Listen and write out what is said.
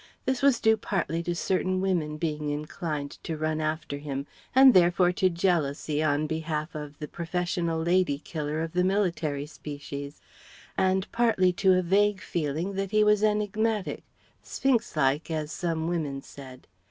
This was due partly to certain women being inclined to run after him and therefore to jealousy on behalf of the professional lady killer of the military species and partly to a vague feeling that he was enigmatic Sphynx like, as some women said.